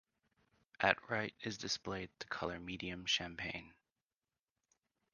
At right is displayed the color medium champagne.